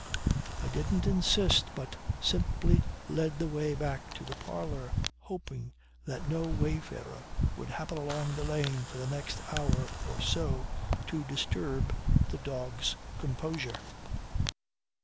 I didn't insist but simply led the way back to the parlour, hoping that no wayfarer would happen along the lane for the next hour or so to disturb the dog's composure.